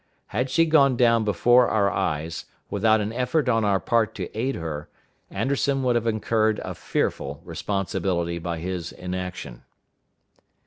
Had she gone down before our eyes, without an effort on our part to aid her, Anderson would have incurred a fearful responsibility by his inaction.